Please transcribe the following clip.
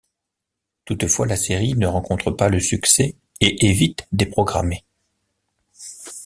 Toutefois, la série ne rencontre pas le succès et est vite déprogrammée.